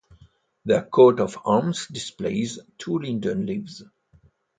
Their coat of arms displays two linden leaves.